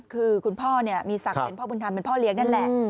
คือคุณพ่อมีศักดิ์เป็นพ่อบุญธรรมเป็นพ่อเลี้ยงนั่นแหละ